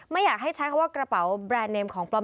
ไม่อยากให้ใช้คำว่ากระเป๋าแบรนด์เนมของปลอม